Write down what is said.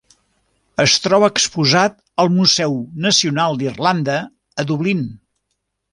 Es troba exposat al Museu Nacional d'Irlanda, a Dublín.